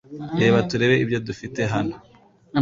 Reka turebe ibyo dufite hano .